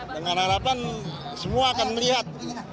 dengan harapan semua akan melihat